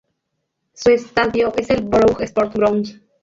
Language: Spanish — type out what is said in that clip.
Su Estadio es el Borough Sports Ground.